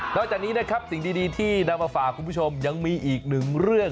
แล้วจากนี้นะครับสิ่งดีที่นำมาฝากคุณผู้ชมยังมีอีกหนึ่งเรื่อง